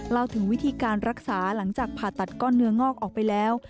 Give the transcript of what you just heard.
เล่าถึงวิธีการรักษาหลังจากผ่าตัดก้อนเนื้องอกออกไปแล้ว